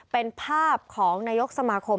เป็นภาพของนายกสมาคม